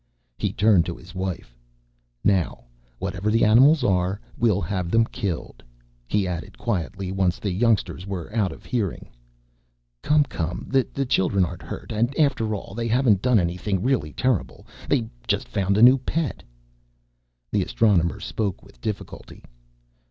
He turned to his wife. "Now whatever the animals are, we'll have them killed." He added quietly once the youngsters were out of hearing, "Come, come. The children aren't hurt and, after all, they haven't done anything really terrible. They've just found a new pet." The Astronomer spoke with difficulty.